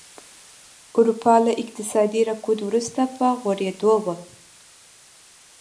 اروپا له اقتصادي رکود وروسته په غوړېدو وه.